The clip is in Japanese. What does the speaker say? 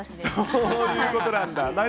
そういうことなんだ。